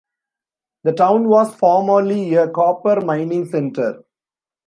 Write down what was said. The town was formerly a copper-mining center.